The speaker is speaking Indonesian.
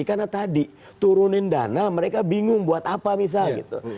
karena tadi turunin dana mereka bingung buat apa misalnya